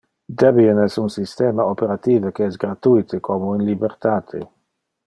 Debian es un systema operative qual es gratuite como in libertate.